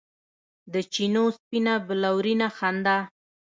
د چېنو سپینه بلورینه خندا